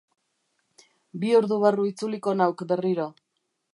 Bi ordu barru itzuliko nauk berriro.